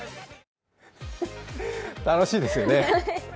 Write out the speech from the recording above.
楽しいですよね。